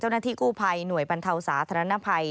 เจ้าหน้าที่กู้ภัยหน่วยบรรเทาสาธารณภัย